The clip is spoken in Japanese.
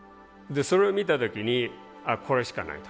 それを見た時にああこれしかないと。